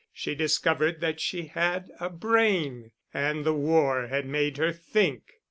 She discovered that she had a brain, and the war had made her think.